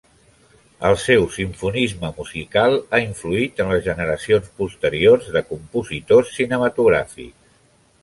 El seu simfonisme musical ha influït en les generacions posteriors de compositors cinematogràfics.